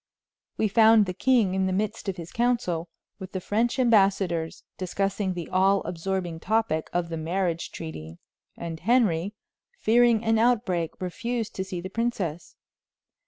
We found the king in the midst of his council, with the French ambassadors, discussing the all absorbing topic of the marriage treaty; and Henry, fearing an outbreak, refused to see the princess.